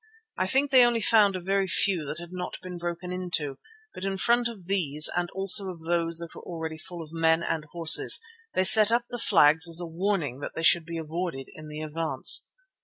I think they only found a very few that had not been broken into, but in front of these and also of those that were already full of men and horses they set up the flags as a warning that they should be avoided in the advance.